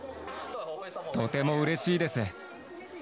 とてもうれしいです。